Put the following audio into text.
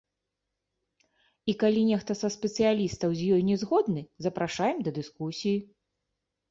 І калі нехта са спецыялістаў з ёй не згодны, запрашаем да дыскусіі.